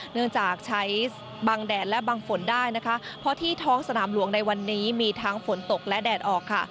เนื่องจากใช้บังแดดและบังฝนได้นะคะเพราะที่ท้องสนามหลวงในวันนี้มีทั้งฝนตกและแดดออกค่ะ